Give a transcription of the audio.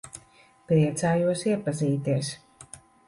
Priecājos iepazīties.